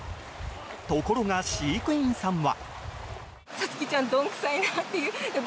ところが、飼育員さんは。